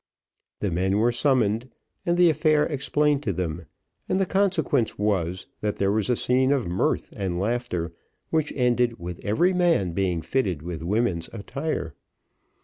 The men were summoned, and the affair explained to them, and the consequence was, that there was a scene of mirth and laughter, which ended with every man being fitted with woman's attire.